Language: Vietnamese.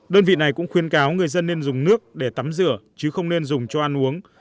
đơn vị này cũng khuyên cáo người dân nên dùng nước để tắm rửa chứ không nên dùng cho ăn uống